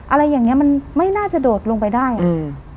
อะไรอย่างเงี้มันไม่น่าจะโดดลงไปได้อ่ะอืม